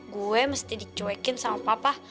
gue mesti dicuekin sama papa